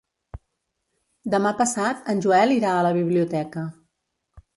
Demà passat en Joel irà a la biblioteca.